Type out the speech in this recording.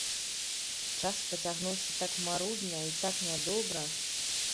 Час пацягнуўся так марудна і так нядобра!